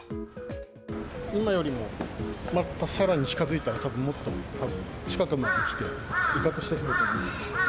今よりもまたさらに近づいたら、たぶんもっと近くまで来て、威嚇してくると思います。